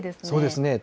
そうですね。